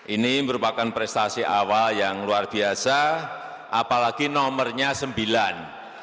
ini merupakan prestasi awal yang luar biasa apalagi nomornya sembilan